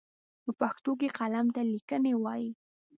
په پښتو کې قلم ته ليکنی وايي.